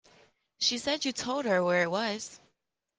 She said you told her where it was.